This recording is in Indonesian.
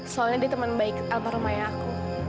soalnya dia teman baik atau rumahnya aku